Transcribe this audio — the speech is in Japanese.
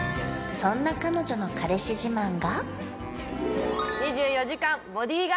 そんな彼女の彼氏自慢がどうした？